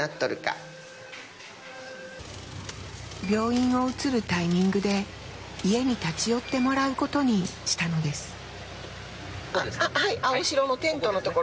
病院を移るタイミングで家に立ち寄ってもらうことにしたのです。